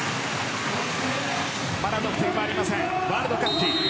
まだ得点はありませんワールドカップ。